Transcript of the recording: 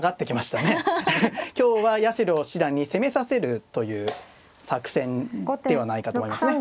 今日は八代七段に攻めさせるという作戦ではないかと思いますね。